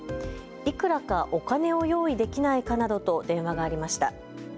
いくらかお金を用意できないかなどと電話がありました。